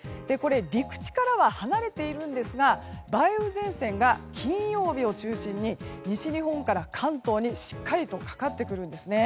陸地からは離れているんですが梅雨前線が金曜日を中心に西日本から関東にしっかりとかかってくるんです。